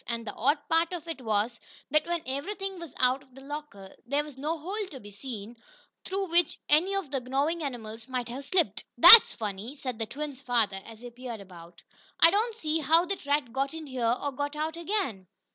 And, the odd part of it was that, when everything was out of the locker, there was no hole to be seen, through which any of the gnawing animals might have slipped. "That's funny," said the twins' father, as he peered about. "I don't see how that rat got in here, or got out again."